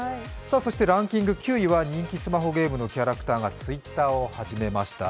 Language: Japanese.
そしてランキング９位は人気スマホゲームのキャラクターがＴｗｉｔｔｅｒを始めました。